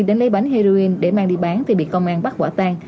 nên lấy bánh heroin để mang đi bán vì bị công an bắt quả tan